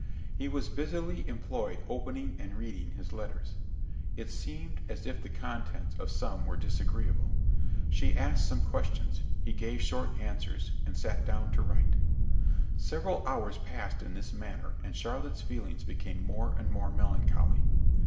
He was busily employed opening and reading his letters. It seemed as if the contents of some were disagreeable. She asked some questions: he gave short answers, and sat down to write. Several hours passed in this manner, and Charlotte's feelings became more and more melancholy.